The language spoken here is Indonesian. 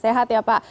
sehat ya pak